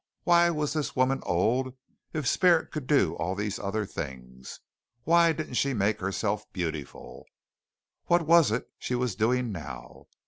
Why was this woman old, if spirit could do all these other things? Why didn't she make herself beautiful? What was it she was doing now?